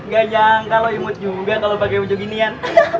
gak nyangka lo imut juga kalau pake ujung ginian